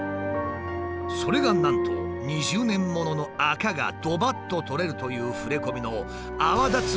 それがなんと「２０年物の垢がドバッと取れる」という触れ込みの泡立つ